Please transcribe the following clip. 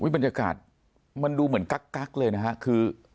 บรรยากาศมันดูเหมือนกั๊กเลยนะฮะคือ